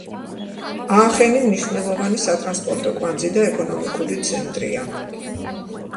აახენი მნიშვნელოვანი სატრანსპორტო კვანძი და ეკონომიკური ცენტრია.